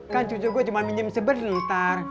kan cucu gua cuma minum seber ntar